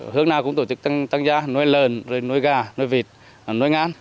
hướng nào cũng tổ chức tăng gia nuôi lờn rồi nuôi gà nuôi vịt nuôi ngán